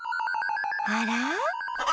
あら？